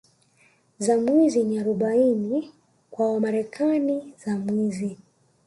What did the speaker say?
za Mwizi ni Arobaini kwa Wamarekani za mwizi